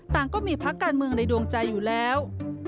ต่างก็มีพักการเมืองในดวงใจอยู่แล้ว